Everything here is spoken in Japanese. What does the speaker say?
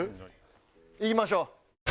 行きましょう。